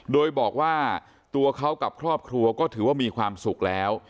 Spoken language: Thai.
โดยบอกว่าตัวเขากับครอบครัวก็ถือว่ามีความสุขแล้ว